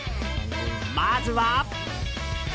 まずは。